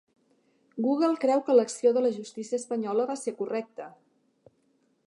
Google creu que l'acció de la justícia espanyola va ser correcte